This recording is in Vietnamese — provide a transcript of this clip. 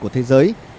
của thế giới